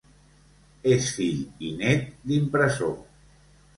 És fill i nét d’impressor.